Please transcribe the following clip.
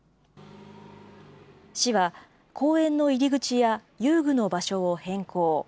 市は、公園の入り口や遊具の場所を変更。